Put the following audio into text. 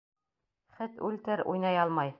Хет үлтер, уйнай алмай!